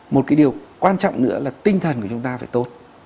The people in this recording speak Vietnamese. một cái điều quan trọng nữa là tinh thần của chúng ta phải tốt